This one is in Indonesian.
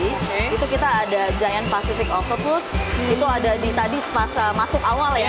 oke itu kita ada giant pacific overpus itu ada di tadi sepasa masuk awal ya